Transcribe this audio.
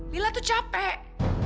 lila tuh capek